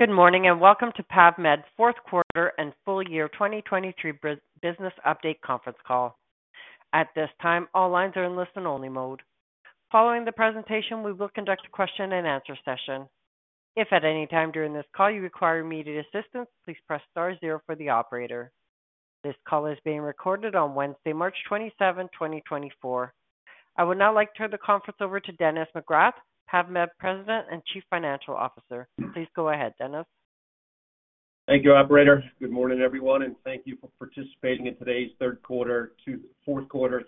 Good morning, and welcome to PAVmed's fourth quarter and full year 2023 business update conference call. At this time, all lines are in listen-only mode. Following the presentation, we will conduct a question-and-answer session. If at any time during this call you require immediate assistance, please press star zero for the operator. This call is being recorded on Wednesday, March 27, 2024. I would now like to turn the conference over to Dennis McGrath, PAVmed President and Chief Financial Officer. Please go ahead, Dennis. Thank you, operator. Good morning, everyone, and thank you for participating in today's third quarter to—fourth quarter,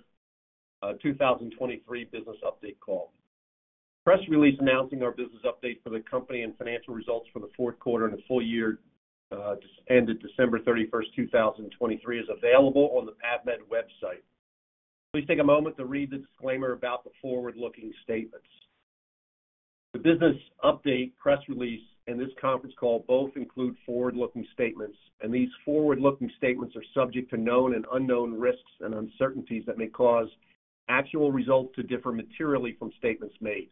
2023 business update call. Press release announcing our business update for the company and financial results for the fourth quarter and the full year, ended December 31, 2023, is available on the PAVmed website. Please take a moment to read the disclaimer about the forward-looking statements. The business update, press release and this conference call both include forward-looking statements, and these forward-looking statements are subject to known and unknown risks and uncertainties that may cause actual results to differ materially from statements made.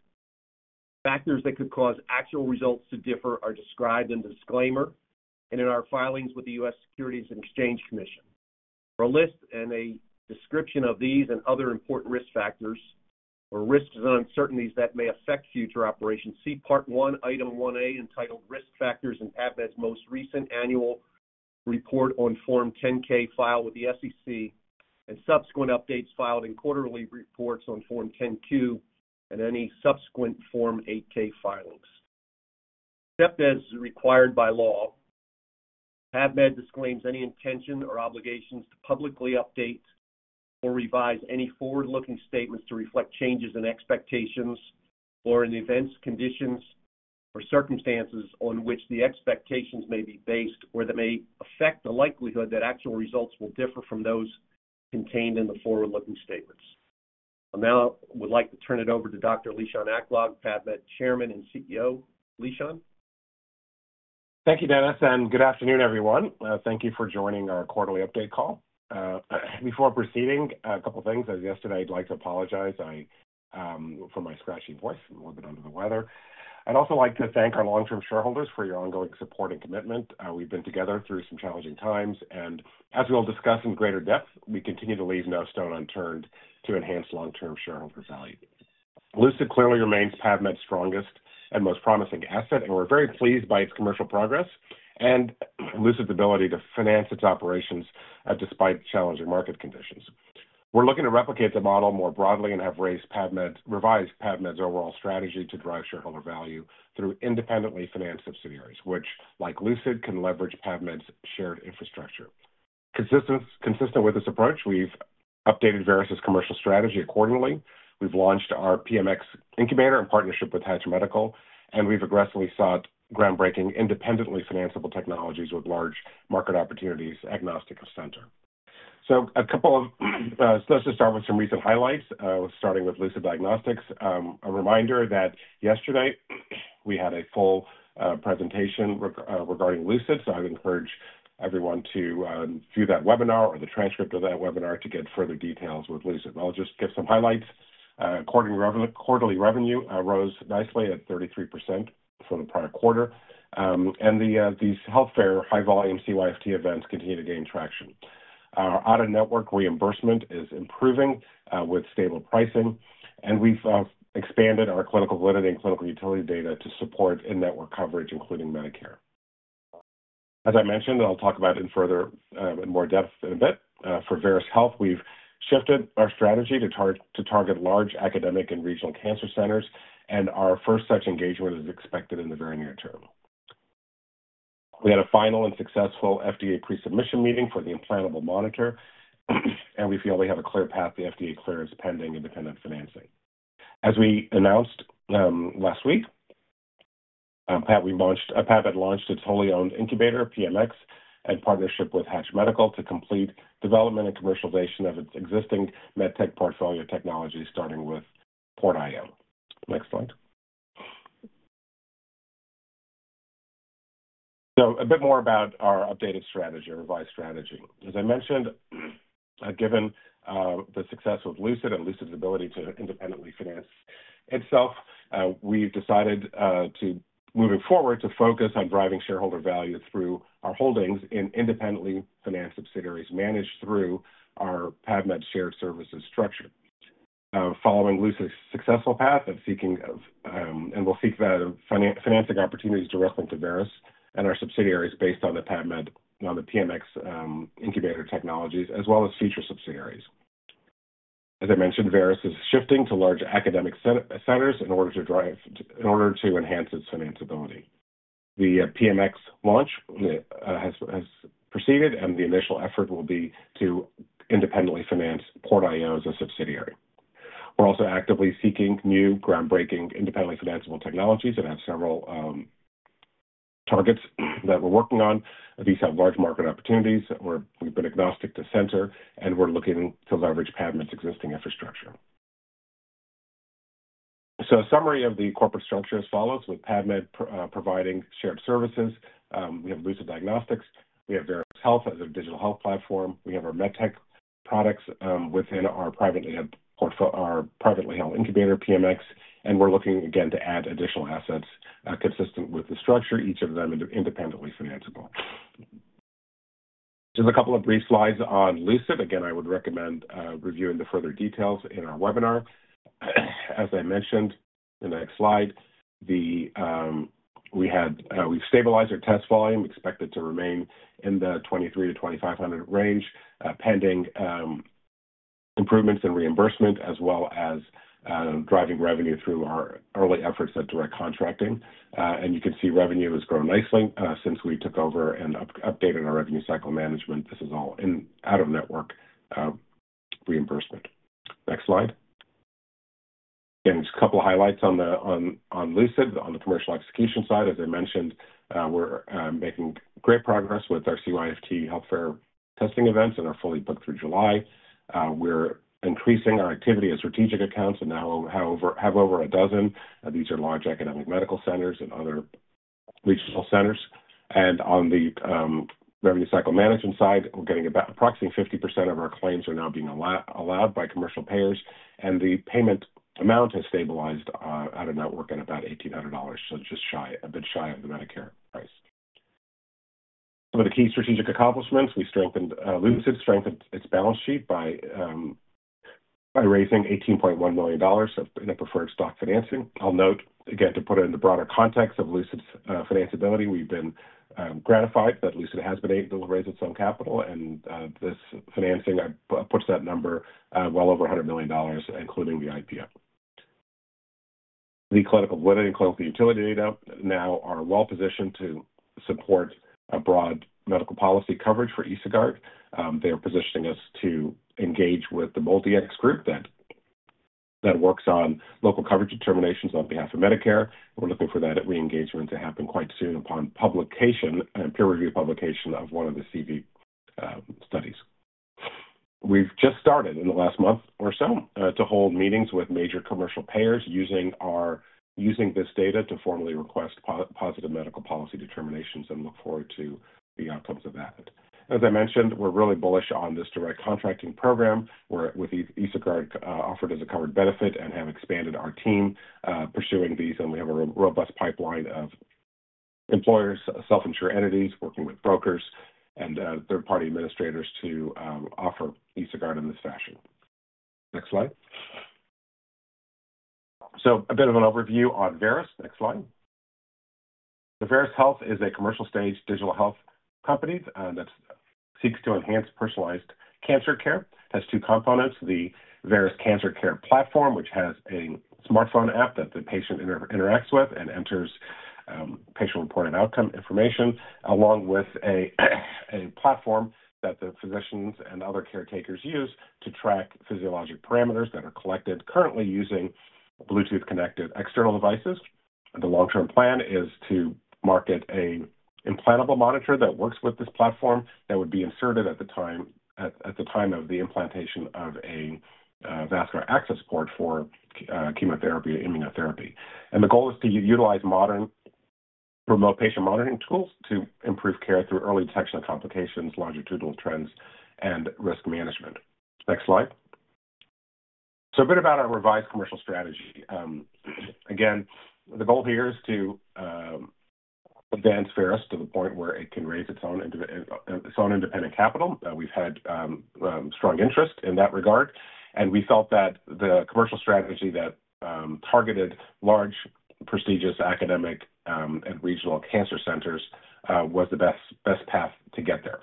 Factors that could cause actual results to differ are described in disclaimer and in our filings with the U.S. Securities and Exchange Commission. For a list and a description of these and other important risk factors or risks and uncertainties that may affect future operations, see Part I, Item 1A, entitled Risk Factors in PAVmed's most recent annual report on Form 10-K filed with the SEC, and subsequent updates filed in quarterly reports on Form 10-Q and any subsequent Form 8-K filings. Except as is required by law, PAVmed disclaims any intention or obligations to publicly update or revise any forward-looking statements to reflect changes in expectations or in the events, conditions, or circumstances on which the expectations may be based, or that may affect the likelihood that actual results will differ from those contained in the forward-looking statements. I now would like to turn it over to Dr. Lishan Aklog, PAVmed Chairman and CEO. Lishan? Thank you, Dennis, and good afternoon, everyone. Thank you for joining our quarterly update call. Before proceeding, a couple of things. As yesterday, I'd like to apologize for my scratchy voice. I'm a little bit under the weather. I'd also like to thank our long-term shareholders for your ongoing support and commitment. We've been together through some challenging times, and as we will discuss in greater depth, we continue to leave no stone unturned to enhance long-term shareholder value. Lucid clearly remains PAVmed's strongest and most promising asset, and we're very pleased by its commercial progress and Lucid's ability to finance its operations, despite challenging market conditions. We're looking to replicate the model more broadly and have revised PAVmed's overall strategy to drive shareholder value through independently financed subsidiaries, which, like Lucid, can leverage PAVmed's shared infrastructure. Consistent with this approach, we've updated Veris' commercial strategy accordingly. We've launched our PMX incubator in partnership with Hatch Medical, and we've aggressively sought groundbreaking, independently financiable technologies with large market opportunities, agnostic of center. Let's just start with some recent highlights, starting with Lucid Diagnostics. A reminder that yesterday, we had a full presentation regarding Lucid, so I'd encourage everyone to view that webinar or the transcript of that webinar to get further details with Lucid. I'll just give some highlights. Quarterly revenue rose nicely at 33% from the prior quarter. And these health fair, high volume CYFT events continue to gain traction. Our out-of-network reimbursement is improving with stable pricing, and we've expanded our clinical validity and clinical utility data to support in-network coverage, including Medicare. As I mentioned, and I'll talk about it in further, in more depth in a bit. For Veris Health, we've shifted our strategy to target large academic and regional cancer centers, and our first such engagement is expected in the very near term. We had a final and successful FDA pre-submission meeting for the implantable monitor, and we feel we have a clear path to FDA clearance, pending independent financing. As we announced last week, PAVmed launched its wholly owned incubator, PMX, in partnership with Hatch Medical, to complete development and commercialization of its existing med tech portfolio technology, starting with PortIO. Next slide. So a bit more about our updated strategy, revised strategy. As I mentioned, given the success of Lucid and Lucid's ability to independently finance itself, we've decided, to moving forward, to focus on driving shareholder value through our holdings in independently financed subsidiaries, managed through our PAVmed shared services structure. Following Lucid's successful path of seeking, and we'll seek out financing opportunities directly to Veris and our subsidiaries based on the PAVmed, on the PMX, incubator technologies, as well as future subsidiaries. As I mentioned, Veris is shifting to large academic centers in order to drive, in order to enhance its financiability. The PMX launch has proceeded, and the initial effort will be to independently finance PortIO as a subsidiary. We're also actively seeking new, groundbreaking, independently financiable technologies and have several targets that we're working on. These have large market opportunities. We've been agnostic to center, and we're looking to leverage PAVmed's existing infrastructure. So a summary of the corporate structure as follows: with PAVmed providing shared services, we have Lucid Diagnostics, we have Veris Health as a digital health platform, we have our med tech products within our privately held incubator, PMX, and we're looking again to add additional assets consistent with the structure, each of them independently financiable. Just a couple of brief slides on Lucid. Again, I would recommend reviewing the further details in our webinar. As I mentioned, in the next slide, we've stabilized our test volume. We expect it to remain in the 2,300-2,500 range, pending improvements in reimbursement, as well as driving revenue through our early efforts at direct contracting. And you can see revenue has grown nicely since we took over and updated our revenue cycle management. This is all in out-of-network reimbursement. Next slide. Again, just a couple of highlights on Lucid. On the commercial execution side, as I mentioned, we're making great progress with our CYFT health fair testing events and are fully booked through July. We're increasing our activity in strategic accounts and now have over a dozen. These are large academic medical centers and other regional centers. On the revenue cycle management side, we're getting about approximately 50% of our claims are now being allowed by commercial payers, and the payment amount has stabilized out of network at about $1,800. So just shy, a bit shy of the Medicare price. Some of the key strategic accomplishments. We strengthened Lucid strengthened its balance sheet by by raising $18.1 million in a preferred stock financing. I'll note, again, to put it in the broader context of Lucid's financiability, we've been gratified that Lucid has been able to raise its own capital and this financing puts that number well over $100 million, including the IPO. The clinical validity and clinical utility data now are well positioned to support a broad medical policy coverage for EsoGuard. They are positioning us to engage with the MolDX group that works on local coverage determinations on behalf of Medicare. We're looking for that reengagement to happen quite soon upon publication, and peer review publication, of one of the CV studies. We've just started in the last month or so to hold meetings with major commercial payers using this data to formally request positive medical policy determinations and look forward to the outcomes of that. As I mentioned, we're really bullish on this direct contracting program, where with EsoGuard offered as a covered benefit and have expanded our team pursuing these. We have a robust pipeline of employers, self-insured entities, working with brokers and third-party administrators to offer EsoGuard in this fashion. Next slide. So a bit of an overview on Veris. Next slide. So Veris Health is a commercial-stage digital health company that seeks to enhance personalized cancer care. has two components, the Veris Cancer Care Platform, which has a smartphone app that the patient interacts with and enters patient-reported outcome information, along with a platform that the physicians and other caretakers use to track physiologic parameters that are collected currently using Bluetooth-connected external devices. The long-term plan is to market an implantable monitor that works with this platform that would be inserted at the time of the implantation of a vascular access port for chemotherapy or immunotherapy. And the goal is to utilize modern remote patient monitoring tools to improve care through early detection of complications, longitudinal trends, and risk management. Next slide. So a bit about our revised commercial strategy. Again, the goal here is to advance Veris to the point where it can raise its own independent capital. We've had strong interest in that regard, and we felt that the commercial strategy that targeted large, prestigious academic and regional cancer centers was the best path to get there.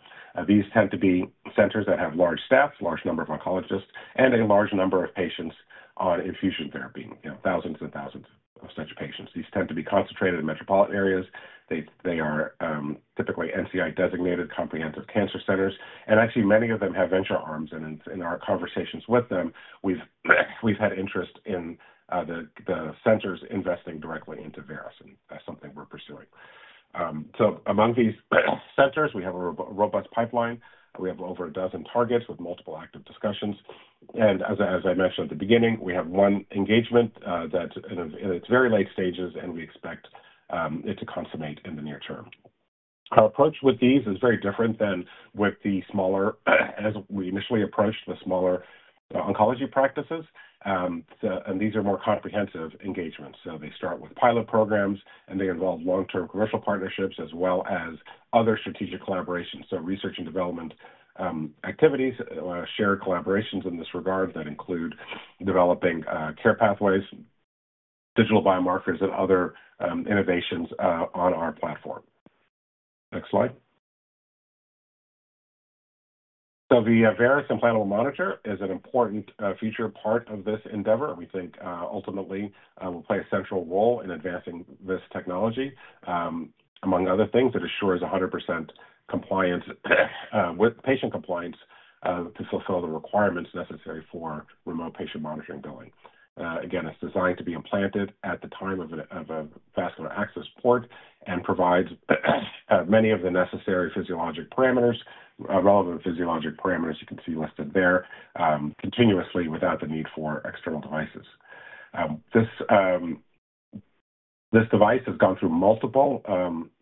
These tend to be centers that have large staffs, large number of oncologists, and a large number of patients on infusion therapy, you know, thousands and thousands of such patients. These tend to be concentrated in metropolitan areas. They are typically NCI-designated comprehensive cancer centers, and actually many of them have venture arms. And in our conversations with them, we've had interest in the centers investing directly into Veris, and that's something we're pursuing. So among these centers, we have a robust pipeline. We have over a dozen targets with multiple active discussions. As I, as I mentioned at the beginning, we have one engagement that's in its very late stages, and we expect it to consummate in the near term. Our approach with these is very different than with the smaller, as we initially approached the smaller oncology practices, and these are more comprehensive engagements. They start with pilot programs, and they involve long-term commercial partnerships as well as other strategic collaborations. Research and development activities, share collaborations in this regard that include developing care pathways, digital biomarkers, and other innovations on our platform. Next slide. The Veris implantable monitor is an important future part of this endeavor. We think ultimately will play a central role in advancing this technology. Among other things, it assures 100% compliance with patient compliance to fulfill the requirements necessary for remote patient monitoring billing. Again, it's designed to be implanted at the time of a vascular access port and provides many of the necessary physiologic parameters, relevant physiologic parameters you can see listed there, continuously without the need for external devices. This device has gone through multiple,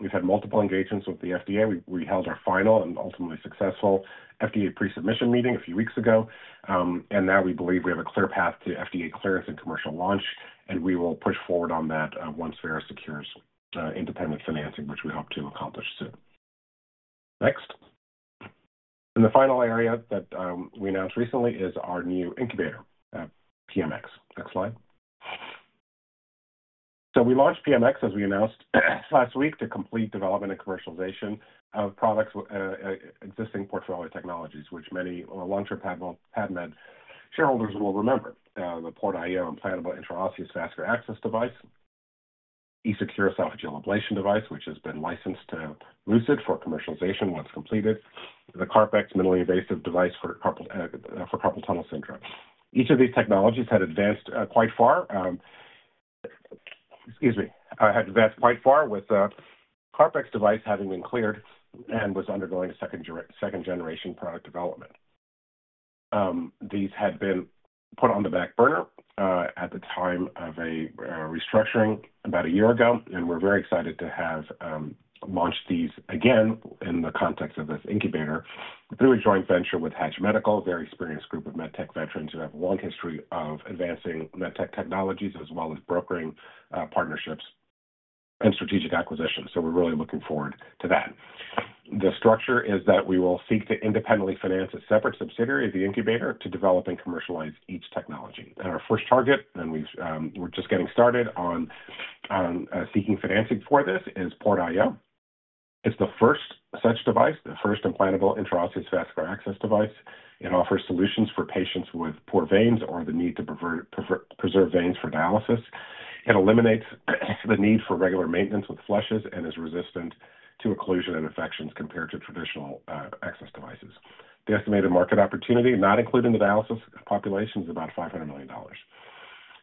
we've had multiple engagements with the FDA. We held our final and ultimately successful FDA pre-submission meeting a few weeks ago, and now we believe we have a clear path to FDA clearance and commercial launch, and we will push forward on that once Veris secures independent financing, which we hope to accomplish soon. Next. The final area that we announced recently is our new incubator, PMX. Next slide. So we launched PMX, as we announced last week, to complete development and commercialization of products, existing portfolio of technologies, which many long-term PAVmed shareholders will remember. The PortIO implantable intraosseous vascular access device, EsoCure esophageal ablation device, which has been licensed to Lucid for commercialization once completed, the CarpX minimally invasive device for carpal tunnel syndrome. Each of these technologies had advanced quite far with CarpX device having been cleared and was undergoing a second generation product development. These had been put on the back burner at the time of a restructuring about a year ago, and we're very excited to have launched these again in the context of this incubator through a joint venture with Hatch Medical, a very experienced group of med tech veterans who have a long history of advancing med tech technologies, as well as brokering partnerships and strategic acquisitions. So we're really looking forward to that. The structure is that we will seek to independently finance a separate subsidiary of the incubator to develop and commercialize each technology. And our first target, and we've, we're just getting started on seeking financing for this, is PortIO. It's the first such device, the first implantable intraosseous vascular access device. It offers solutions for patients with poor veins or the need to preserve veins for dialysis. It eliminates the need for regular maintenance with flushes and is resistant to occlusion and infections compared to traditional access devices. The estimated market opportunity, not including the dialysis population, is about $500 million.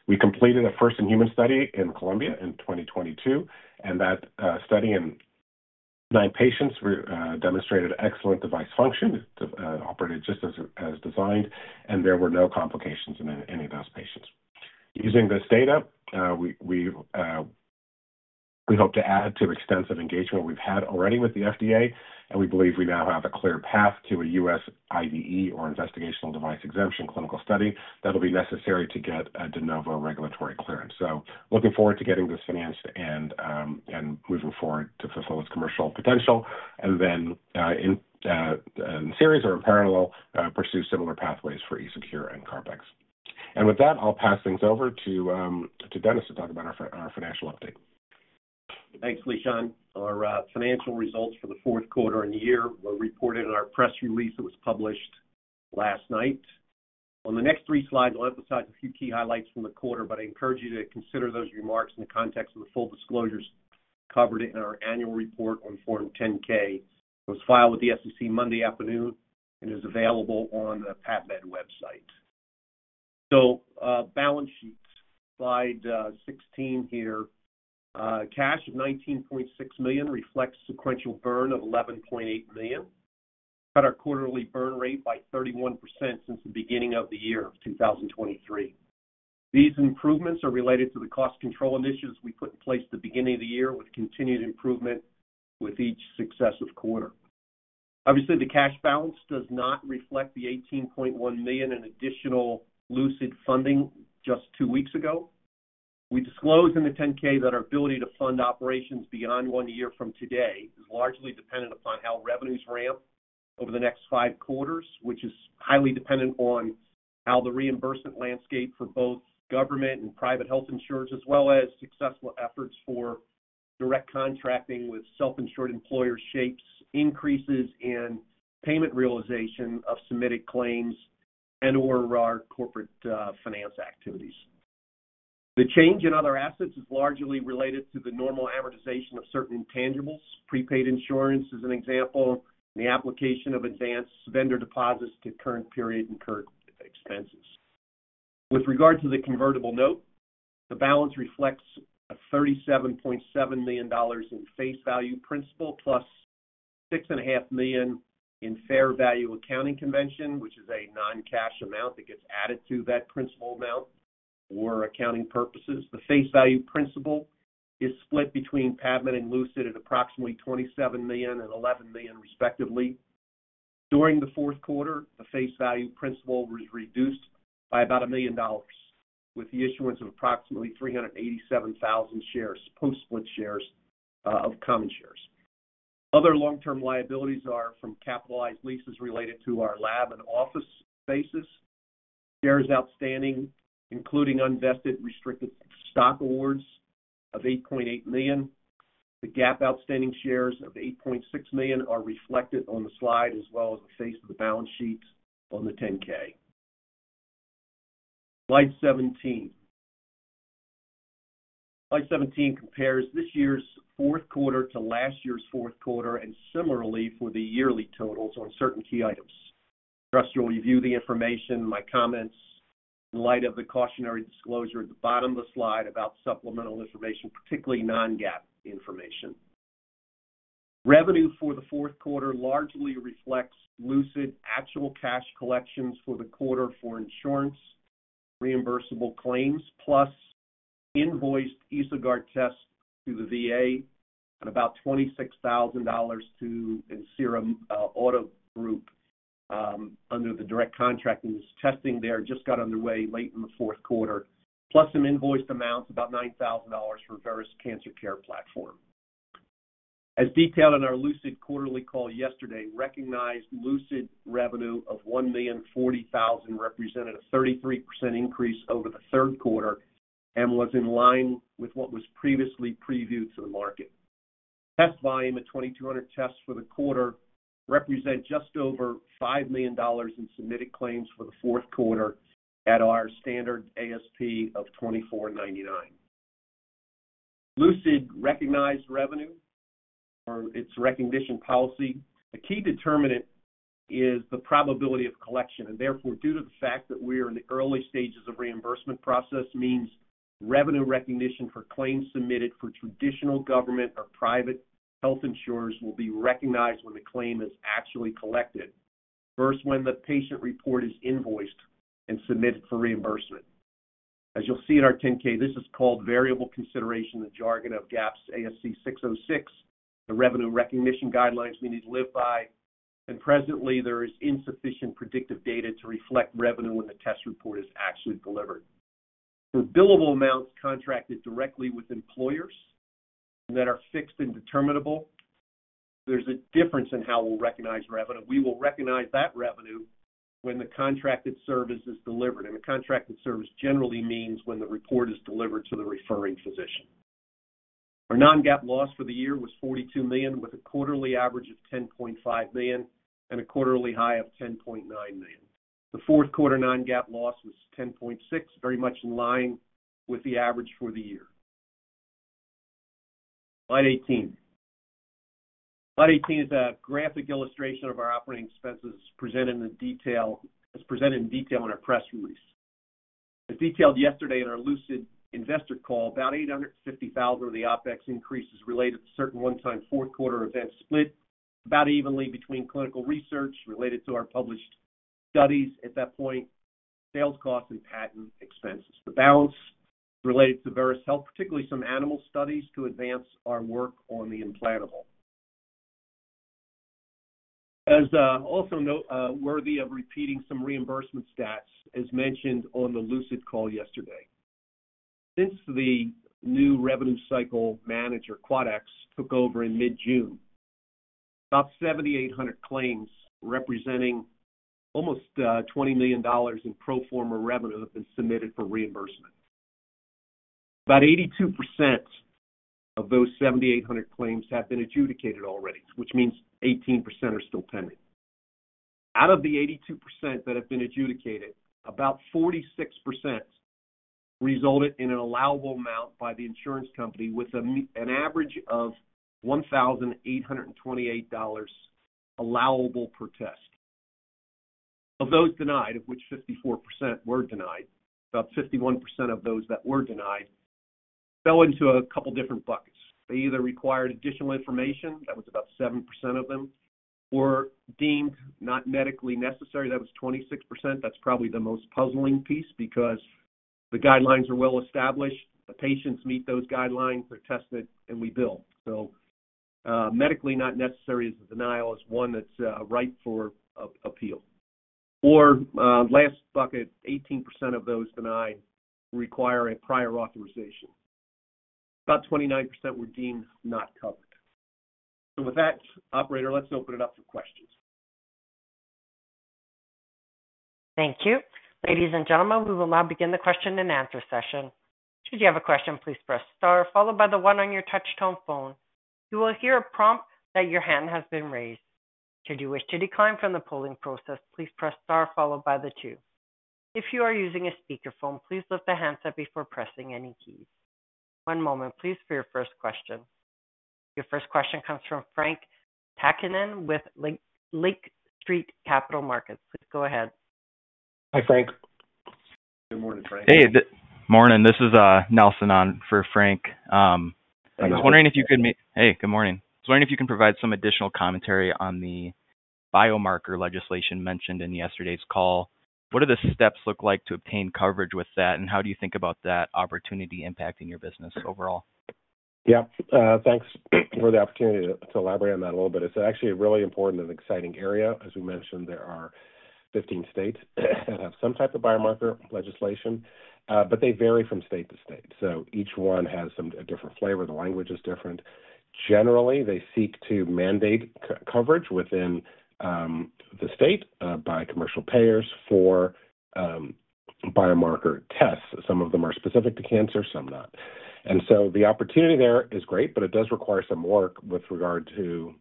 We completed a first-in-human study in Colombia in 2022, and that study in 9 patients demonstrated excellent device function. It operated just as designed, and there were no complications in any of those patients. Using this data, we hope to add to extensive engagement we've had already with the FDA, and we believe we now have a clear path to a U.S. IDE, or investigational device exemption, clinical study that will be necessary to get a de novo regulatory clearance. So looking forward to getting this financed and moving forward to fulfill its commercial potential, and then in series or in parallel, pursue similar pathways for EsoCure and CarpX. And with that, I'll pass things over to Dennis to talk about our financial update. Thanks, Lishan. Our financial results for the fourth quarter and the year were reported in our press release that was published last night. On the next three slides, I'll emphasize a few key highlights from the quarter, but I encourage you to consider those remarks in the context of the full disclosures covered in our annual report on Form 10-K. It was filed with the SEC Monday afternoon and is available on the PAVmed website. So, balance sheet, slide sixteen here. Cash of $19.6 million reflects sequential burn of $11.8 million. Cut our quarterly burn rate by 31% since the beginning of the year, 2023. These improvements are related to the cost control initiatives we put in place at the beginning of the year, with continued improvement with each successive quarter. Obviously, the cash balance does not reflect the $18.1 million in additional Lucid funding just two weeks ago. We disclosed in the 10-K that our ability to fund operations beyond 1 year from today is largely dependent upon how revenues ramp over the next 5 quarters, which is highly dependent on how the reimbursement landscape for both government and private health insurers, as well as successful efforts for direct contracting with self-insured employers, shapes increases in payment realization of submitted claims and/or our corporate finance activities. The change in other assets is largely related to the normal amortization of certain intangibles. Prepaid insurance is an example, the application of advanced vendor deposits to current period incurred expenses. With regard to the convertible note, the balance reflects a $37.7 million in face value principal plus $6.5 million in fair value accounting convention, which is a non-cash amount that gets added to that principal amount for accounting purposes. The face value principal is split between PAVmed and Lucid at approximately $27 million and $11 million, respectively. During the fourth quarter, the face value principal was reduced by about $1 million, with the issuance of approximately 387,000 shares, post-split shares, of common shares. Other long-term liabilities are from capitalized leases related to our lab and office spaces. Shares outstanding, including unvested restricted stock awards of 8.8 million. The GAAP outstanding shares of 8.6 million are reflected on the slide as well as the face of the balance sheets on the 10-K. Slide 17. Slide 17 compares this year's fourth quarter to last year's fourth quarter and similarly for the yearly totals on certain key items. Press will review the information, my comments, in light of the cautionary disclosure at the bottom of the slide about supplemental information, particularly non-GAAP information. Revenue for the fourth quarter largely reflects Lucid actual cash collections for the quarter for insurance, reimbursable claims, plus invoiced EsoGuard tests to the VA and about $26,000 to Ancira Auto Group under the direct contract, and this testing there just got underway late in the fourth quarter. Plus some invoiced amounts, about $9,000 for Veris Cancer Care Platform. As detailed in our Lucid quarterly call yesterday, recognized Lucid revenue of $1,040,000 represented a 33% increase over the third quarter and was in line with what was previously previewed to the market. Test volume at 2,200 tests for the quarter represents just over $5 million in submitted claims for the fourth quarter at our standard ASP of $2,499. Lucid recognized revenue or its recognition policy. The key determinant is the probability of collection, and therefore, due to the fact that we are in the early stages of reimbursement process, means revenue recognition for claims submitted for traditional government or private health insurers will be recognized when the claim is actually collected. First, when the patient report is invoiced and submitted for reimbursement. As you'll see in our 10-K, this is called variable consideration, the jargon of GAAP's ASC 606, the revenue recognition guidelines we need to live by, and presently there is insufficient predictive data to reflect revenue when the test report is actually delivered. For billable amounts contracted directly with employers that are fixed and determinable, there's a difference in how we'll recognize revenue. We will recognize that revenue when the contracted service is delivered, and the contracted service generally means when the report is delivered to the referring physician. Our non-GAAP loss for the year was $42 million, with a quarterly average of $10.5 million and a quarterly high of $10.9 million. The fourth quarter non-GAAP loss was $10.6 million, very much in line with the average for the year. Slide 18. Slide 18 is a graphic illustration of our operating expenses, presented in the detail, as presented in detail in our press release. As detailed yesterday in our Lucid investor call, about 850,000 of the OpEx increase is related to certain one-time fourth quarter events, split about evenly between clinical research related to our published studies at that point, sales costs and patent expenses. The balance related to Veris Health, particularly some animal studies, to advance our work on the implantable. As also noteworthy of repeating some reimbursement stats, as mentioned on the Lucid call yesterday. Since the new revenue cycle manager, Quadax, took over in mid-June, about 7,800 claims, representing almost $20 million in pro forma revenue, have been submitted for reimbursement. About 82% of those 7,800 claims have been adjudicated already, which means 18% are still pending. Out of the 82% that have been adjudicated, about 46% resulted in an allowable amount by the insurance company, with an average of $1,828 allowable per test. Of those denied, of which 54% were denied, about 51% of those that were denied went into a couple of different buckets. They either required additional information, that was about 7% of them, or deemed not medically necessary, that was 26%. That's probably the most puzzling piece, because the guidelines are well established. The patients meet those guidelines, they're tested, and we bill. So, medically not necessary as a denial is one that's ripe for appeal. Or, last bucket, 18% of those denied require a prior authorization. About 29% were deemed not covered. So with that, operator, let's open it up for questions. Thank you. Ladies and gentlemen, we will now begin the question and answer session. Should you have a question, please press star followed by the one on your touch tone phone. You will hear a prompt that your hand has been raised. Should you wish to decline from the polling process, please press star followed by the two. If you are using a speakerphone, please lift the handset before pressing any keys. One moment, please, for your first question. Your first question comes from Frank Takkinen with Lake Street Capital Markets. Please go ahead. Hi, Frank. Good morning, Frank. Hey, good morning. This is, Nelson on for Frank. I was wondering if you could me- Hey, good morning. Hey, good morning. I was wondering if you can provide some additional commentary on the biomarker legislation mentioned in yesterday's call. What do the steps look like to obtain coverage with that, and how do you think about that opportunity impacting your business overall? Yeah, thanks for the opportunity to elaborate on that a little bit. It's actually a really important and exciting area. As we mentioned, there are 15 states that have some type of biomarker legislation, but they vary from state to state. So each one has some, a different flavor. The language is different. Generally, they seek to mandate coverage within the state by commercial payers for biomarker tests. Some of them are specific to cancer, some not. And so the opportunity there is great, but it does require some work with regard to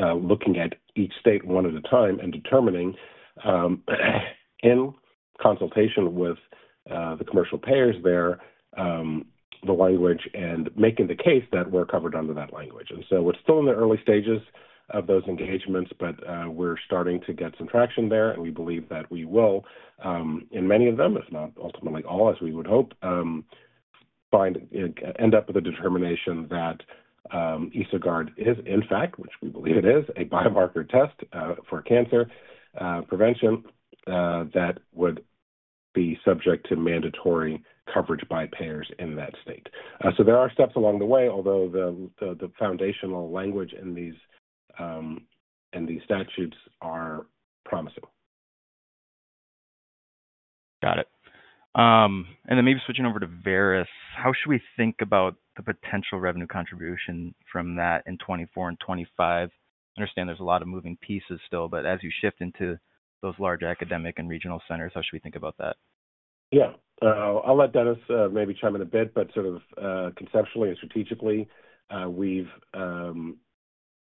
looking at each state one at a time and determining, in consultation with the commercial payers there, the language and making the case that we're covered under that language. And so we're still in the early stages.... of those engagements, but we're starting to get some traction there, and we believe that we will in many of them, if not ultimately all, as we would hope, end up with a determination that EsoGuard is, in fact, which we believe it is, a biomarker test for cancer prevention that would be subject to mandatory coverage by payers in that state. So there are steps along the way, although the foundational language in these statutes are promising. Got it. And then maybe switching over to Veris, how should we think about the potential revenue contribution from that in 2024 and 2025? I understand there's a lot of moving pieces still, but as you shift into those larger academic and regional centers, how should we think about that? Yeah. I'll let Dennis maybe chime in a bit, but sort of, conceptually and strategically, we've,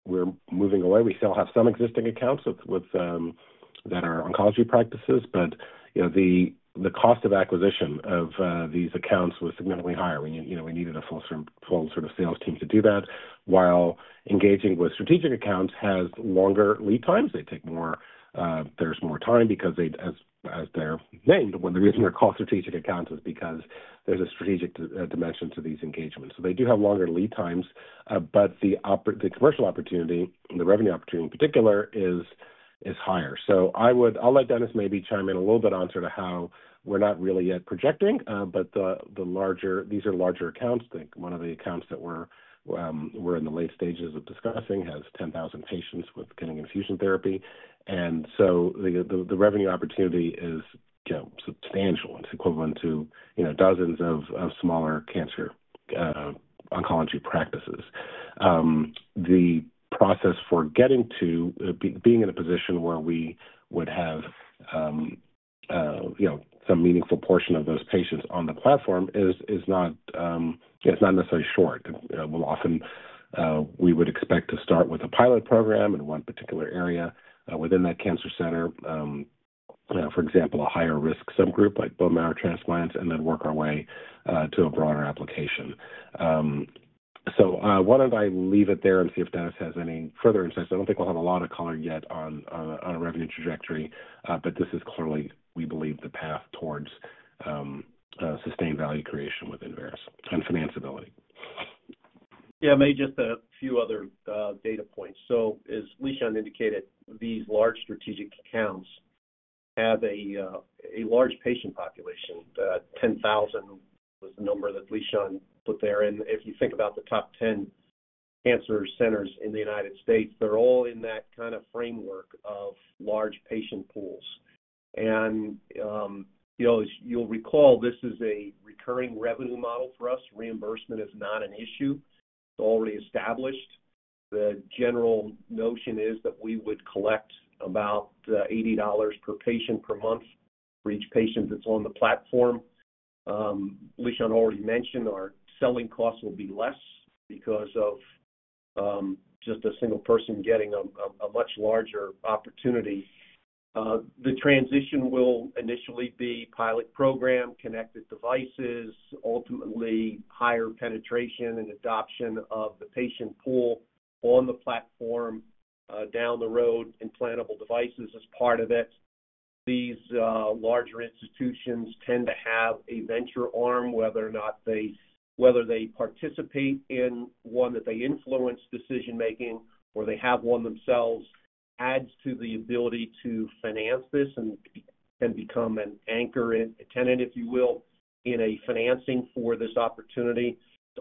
we're moving away. We still have some existing accounts with, with, that are oncology practices, but, you know, the, the cost of acquisition of, these accounts was significantly higher. We, you know, we needed a full sort of, full sort of sales team to do that. While engaging with strategic accounts has longer lead times, they take more, there's more time because they, as, as they're named, well, the reason they're called strategic accounts is because there's a strategic dimension to these engagements. So they do have longer lead times, but the commercial opportunity and the revenue opportunity in particular, is, is higher. So I would—I'll let Dennis maybe chime in a little bit on sort of how we're not really yet projecting, but the larger, these are larger accounts. I think one of the accounts that we're in the late stages of discussing has 10,000 patients with getting infusion therapy. And so the revenue opportunity is, you know, substantial. It's equivalent to, you know, dozens of smaller cancer oncology practices. The process for getting to being in a position where we would have, you know, some meaningful portion of those patients on the platform is not, it's not necessarily short. We'll often, we would expect to start with a pilot program in one particular area within that cancer center. For example, a higher-risk subgroup, like bone marrow transplants, and then work our way to a broader application. So, why don't I leave it there and see if Dennis has any further insights? I don't think we'll have a lot of color yet on a revenue trajectory, but this is clearly, we believe, the path towards sustained value creation within Veris and financeability. Yeah, maybe just a few other data points. So as Lishan indicated, these large strategic accounts have a large patient population. The 10,000 was the number that Lishan put there. And if you think about the top 10 cancer centers in the United States, they're all in that kind of framework of large patient pools. And you know, as you'll recall, this is a recurring revenue model for us. Reimbursement is not an issue. It's already established. The general notion is that we would collect about $80 per patient per month for each patient that's on the platform. Lishan already mentioned our selling costs will be less because of just a single person getting a much larger opportunity. The transition will initially be pilot program, connected devices, ultimately higher penetration and adoption of the patient pool on the platform, down the road, implantable devices as part of it. These larger institutions tend to have a venture arm, whether or not they participate in one, that they influence decision-making or they have one themselves, adds to the ability to finance this and become an anchor, a tenant, if you will, in a financing for this opportunity.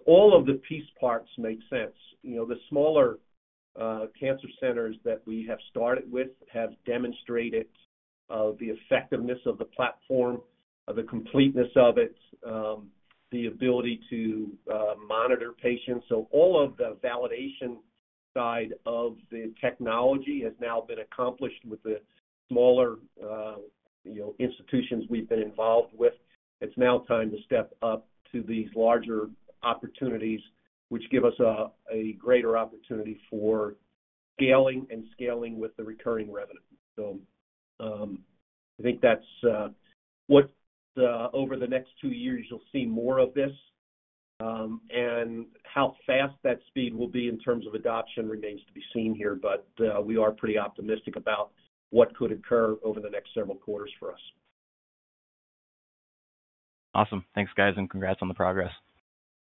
All of the piece parts make sense. You know, the smaller cancer centers that we have started with have demonstrated the effectiveness of the platform, the completeness of it, the ability to monitor patients. So all of the validation side of the technology has now been accomplished with the smaller, you know, institutions we've been involved with. It's now time to step up to these larger opportunities, which give us a greater opportunity for scaling and scaling with the recurring revenue. So, I think that's what over the next two years, you'll see more of this, and how fast that speed will be in terms of adoption remains to be seen here. But, we are pretty optimistic about what could occur over the next several quarters for us. Awesome. Thanks, guys, and congrats on the progress.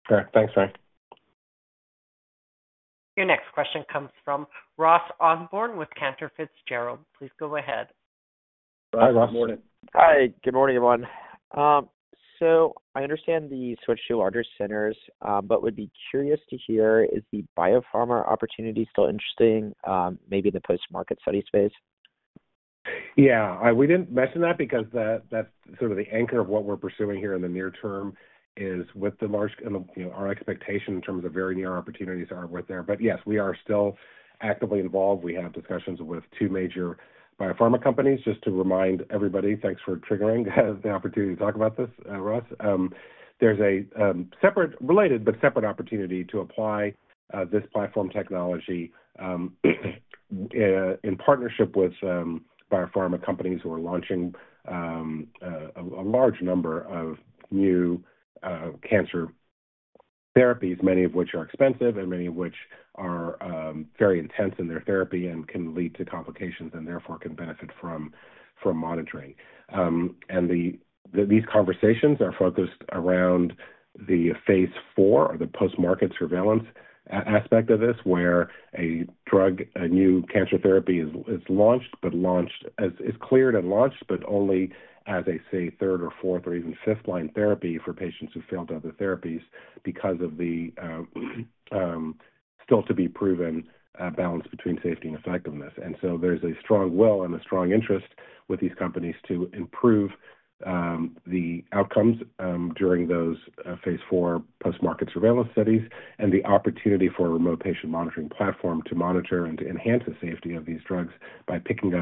Sure. Thanks, Frank. Your next question comes from Ross Osborne with Cantor Fitzgerald. Please go ahead. Hi, Ross. Good morning. Hi, good morning, everyone. So I understand the switch to larger centers, but would be curious to hear, is the biopharma opportunity still interesting, maybe in the post-market study space? Yeah, we didn't mention that because that, that's sort of the anchor of what we're pursuing here in the near term is with the large and, you know, our expectation in terms of very near opportunities are with there. But yes, we are still actively involved. We have discussions with two major biopharma companies. Just to remind everybody, thanks for triggering the opportunity to talk about this, Ross. There's a separate, related but separate opportunity to apply this platform technology in partnership with biopharma companies who are launching a large number of new cancer therapies, many of which are expensive and many of which are very intense in their therapy and can lead to complications and therefore can benefit from monitoring. These conversations are focused around the phase four or the post-market surveillance aspect of this, where a drug, a new cancer therapy is launched, but launched as is cleared and launched, but only as a, say, third or fourth or even fifth-line therapy for patients who failed other therapies because of the still to be proven balance between safety and effectiveness. So there's a strong will and a strong interest with these companies to improve the outcomes during those phase four post-market surveillance studies, and the opportunity for a remote patient monitoring platform to monitor and to enhance the safety of these drugs by picking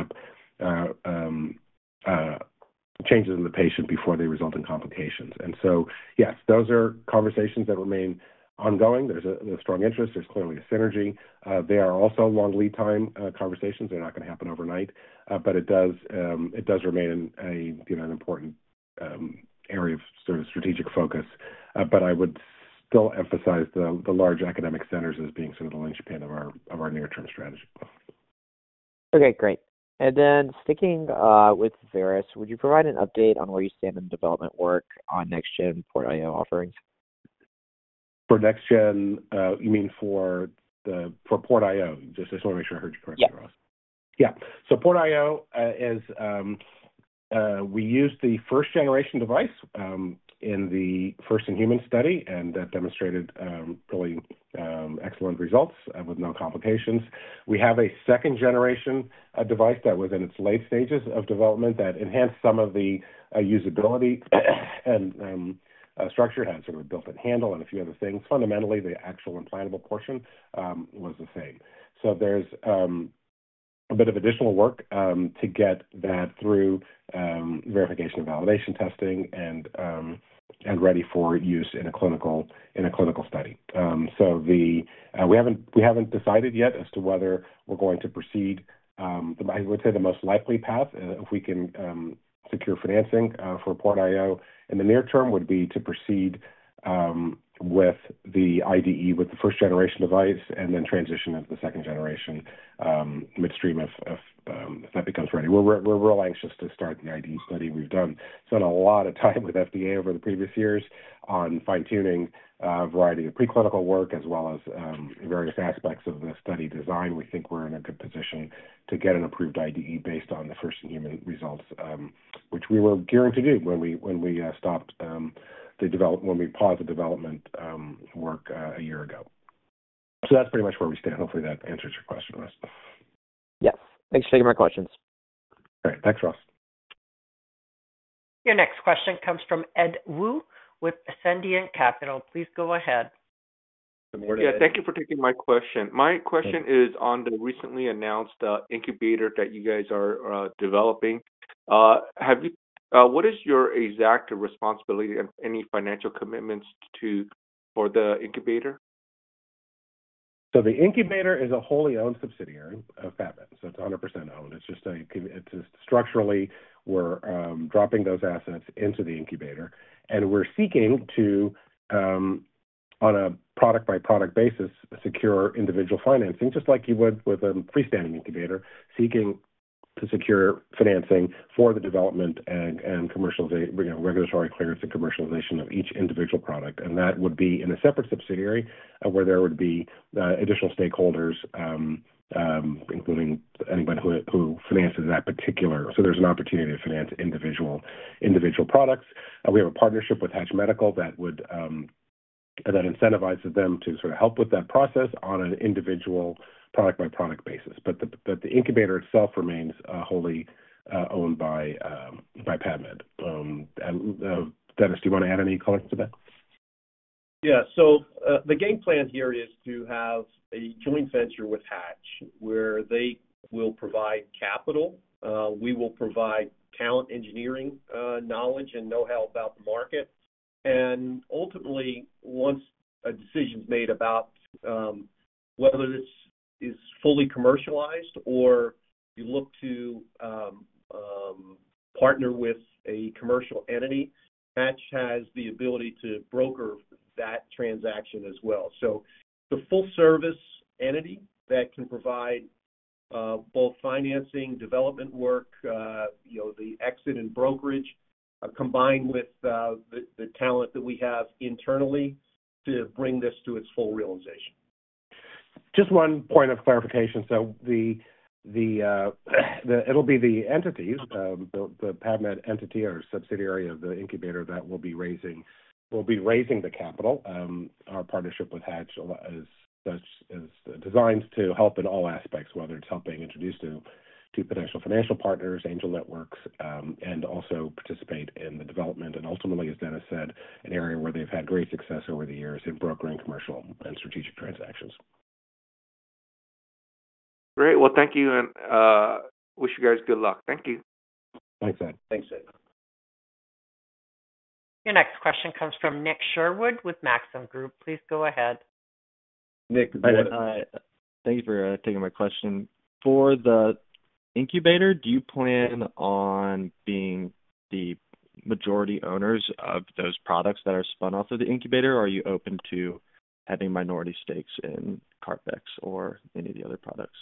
up changes in the patient before they result in complications. So, yes, those are conversations that remain ongoing. There's a strong interest. There's clearly a synergy. They are also long lead time conversations. They're not going to happen overnight, but it does, it does remain a, you know, an important, area of sort of strategic focus. But I would still emphasize the large academic centers as being sort of the linchpin of our near-term strategy. Okay, great. And then sticking with Veris, would you provide an update on where you stand in the development work on next-gen PortIO offerings? For next gen, you mean for PortIO? Just, I just wanna make sure I heard you correctly, Ross. Yes. Yeah. So PortIO is we use the first-generation device in the first-in-human study, and that demonstrated really excellent results with no complications. We have a second-generation device that was in its late stages of development that enhanced some of the usability and structure, had sort of a built-in handle and a few other things. Fundamentally, the actual implantable portion was the same. So there's a bit of additional work to get that through verification and validation testing and ready for use in a clinical study. So we haven't decided yet as to whether we're going to proceed. I would say the most likely path, if we can secure financing for PortIO in the near term, would be to proceed with the IDE with the first-generation device and then transition into the second generation midstream if that becomes ready. We're all anxious to start the IDE study. We've spent a lot of time with FDA over the previous years on fine-tuning a variety of preclinical work as well as various aspects of the study design. We think we're in a good position to get an approved IDE based on the first-in-human results, which we were guaranteed when we paused the development work a year ago. So that's pretty much where we stand. Hopefully, that answers your question, Ross. Yes. Thanks for taking my questions. Great. Thanks, Ross. Your next question comes from Edward Woo with Ascendiant Capital Markets. Please go ahead. Yeah, thank you for taking my question. My question is on the recently announced incubator that you guys are developing. What is your exact responsibility and any financial commitments to, for the incubator? So the incubator is a wholly owned subsidiary of PAVmed, so it's 100% owned. It's just structurally, we're dropping those assets into the incubator, and we're seeking to, on a product-by-product basis, secure individual financing, just like you would with a freestanding incubator, seeking to secure financing for the development and commercial, you know, regulatory clearance and commercialization of each individual product. And that would be in a separate subsidiary, where there would be additional stakeholders, including anybody who finances that particular... So there's an opportunity to finance individual products. We have a partnership with Hatch Medical that incentivizes them to sort of help with that process on an individual product-by-product basis. But the incubator itself remains wholly owned by PAVmed. Dennis, do you want to add any comments to that? Yeah. So, the game plan here is to have a joint venture with Hatch, where they will provide capital, we will provide talent, engineering, knowledge, and know-how about the market. And ultimately, once a decision is made about whether this is fully commercialized or you look to partner with a commercial entity, Hatch has the ability to broker that transaction as well. So the full service entity that can provide both financing, development work, you know, the exit and brokerage combined with the talent that we have internally to bring this to its full realization. Just one point of clarification. So it'll be the entities, the PAVmed entity or subsidiary of the incubator that will be raising, will be raising the capital. Our partnership with Hatch is designed to help in all aspects, whether it's helping introduce to potential financial partners, angel networks, and also participate in the development, and ultimately, as Dennis said, an area where they've had great success over the years in brokering commercial and strategic transactions. Great. Well, thank you, and wish you guys good luck. Thank you. Thanks, Ed. Thanks, Ed. Your next question comes from Nick Sherwood with Maxim Group. Please go ahead.... Nick, thank you for taking my question. For the incubator, do you plan on being the majority owners of those products that are spun off of the incubator, or are you open to having minority stakes in CarpX or any of the other products?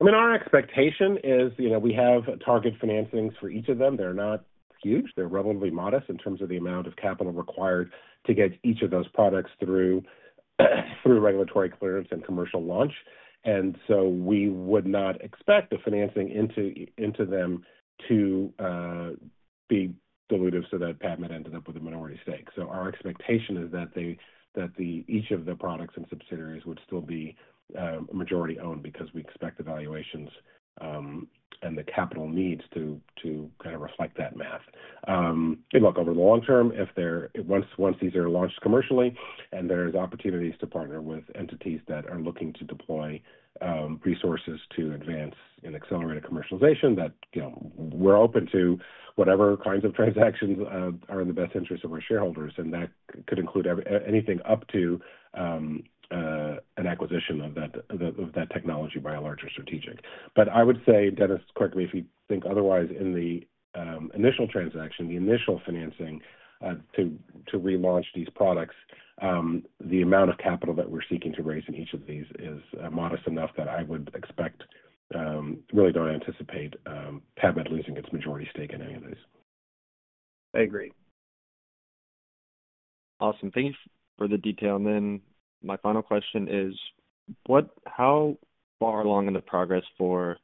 I mean, our expectation is, you know, we have target financings for each of them. They're not huge. They're relatively modest in terms of the amount of capital required to get each of those products through regulatory clearance and commercial launch. And so we would not expect the financing into them to be dilutive so that PAVmed ended up with a minority stake. So our expectation is that each of the products and subsidiaries would still be majority-owned because we expect the valuations and the capital needs to kind of reflect that math. Look, over the long term, if they're once these are launched commercially and there's opportunities to partner with entities that are looking to deploy resources to advance and accelerate a commercialization, that, you know, we're open to whatever kinds of transactions are in the best interest of our shareholders, and that could include even anything up to an acquisition of that, of that technology by a larger strategic. But I would say, Dennis, correct me if you think otherwise, in the initial transaction, the initial financing to relaunch these products, the amount of capital that we're seeking to raise in each of these is modest enough that I would expect... Really don't anticipate PAVmed losing its majority stake in any of these. I agree. Awesome. Thank you for the detail. Then my final question is: What, how far along in the progress for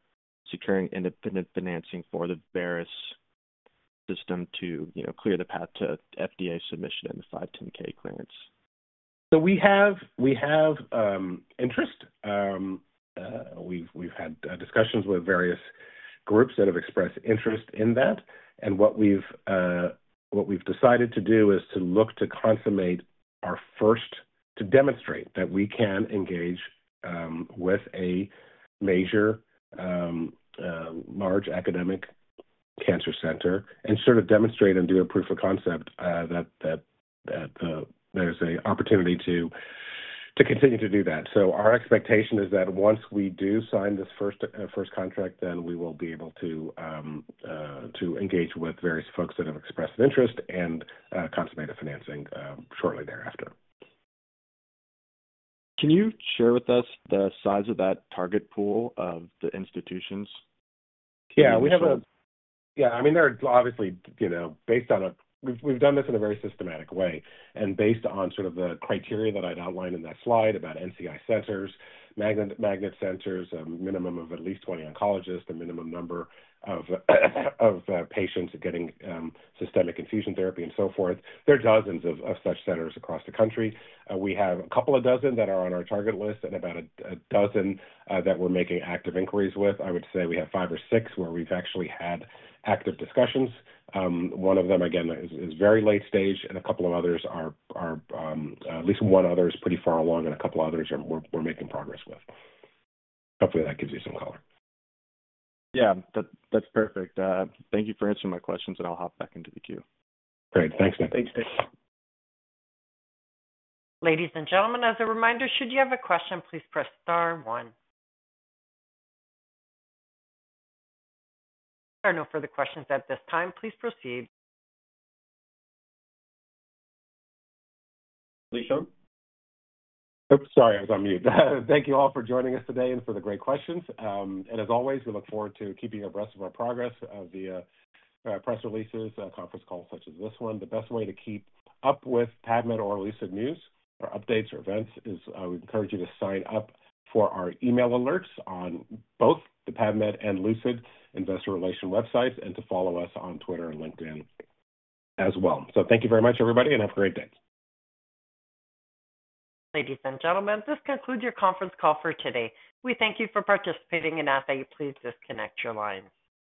securing independent financing for the Veris system to, you know, clear the path to FDA submission and the 510(k) clearance? So we have interest. We've had discussions with various groups that have expressed interest in that. And what we've decided to do is to look to consummate our first, to demonstrate that we can engage with a major large academic cancer center and sort of demonstrate and do a proof of concept that there's an opportunity to continue to do that. So our expectation is that once we do sign this first contract, then we will be able to engage with various folks that have expressed interest and consummate a financing shortly thereafter. Can you share with us the size of that target pool of the institutions? Yeah, yeah, I mean, there are obviously, you know, based on... We've done this in a very systematic way, and based on sort of the criteria that I'd outlined in that slide about NCI centers, Magnet, Magnet centers, a minimum of at least 20 oncologists, a minimum number of patients getting systemic infusion therapy, and so forth. There are dozens of such centers across the country. We have a couple of dozen that are on our target list and about a dozen that we're making active inquiries with. I would say we have 5 or 6 where we've actually had active discussions. One of them, again, is very late stage, and a couple of others are, at least one other is pretty far along, and a couple of others are, we're making progress with. Hopefully, that gives you some color. Yeah, that, that's perfect. Thank you for answering my questions, and I'll hop back into the queue. Great. Thanks, Nick. Thanks, Nick. Ladies and gentlemen, as a reminder, should you have a question, please press star one. There are no further questions at this time. Please proceed. Oops, sorry, I was on mute. Thank you all for joining us today and for the great questions. And as always, we look forward to keeping you abreast of our progress, via, press releases, conference calls such as this one. The best way to keep up with PAVmed or Lucid news or updates or events is, we encourage you to sign up for our email alerts on both the PAVmed and Lucid investor relations websites and to follow us on Twitter and LinkedIn as well. So thank you very much, everybody, and have a great day. Ladies and gentlemen, this concludes your conference call for today. We thank you for participating and ask that you please disconnect your lines.